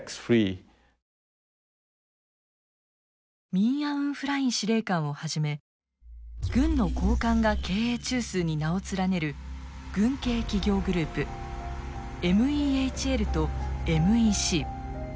ミン・アウン・フライン司令官をはじめ軍の高官が経営中枢に名を連ねる軍系企業グループＭＥＨＬとＭＥＣ。